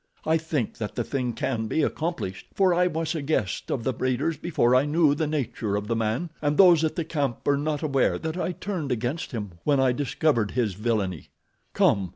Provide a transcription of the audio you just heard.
"I think that the thing can be accomplished, for I was a guest of the raider's before I knew the nature of the man, and those at the camp are not aware that I turned against him when I discovered his villainy. "Come!